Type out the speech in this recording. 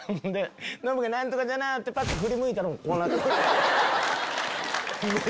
ノブが何とかじゃなぁってぱっと振り向いたらこうなってた。